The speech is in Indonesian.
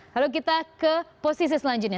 lalu kita ke posisi selanjutnya